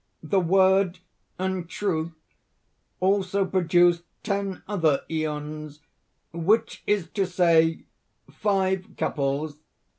_) "The Word and Truth also produced ten other Æons which is to say, five couples.